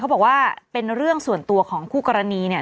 บอกว่าเป็นเรื่องส่วนตัวของคู่กรณีเนี่ย